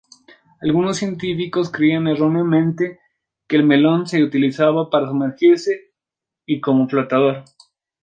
Algunos científicos creían erróneamente que el melón se utilizaba para sumergirse y como flotador.